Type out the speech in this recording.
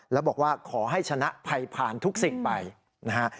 แล้วบอกว่าขอให้ชนะภัยผ่านทุกสิ่งไปนะฮะ